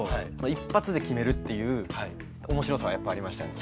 一発で決めるっていう面白さはやっぱありましたね。